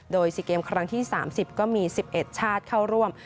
โดยสีเกมฯคลักษณ์ที่๓๐ก็มี๑๑ชาติเข้าร่วม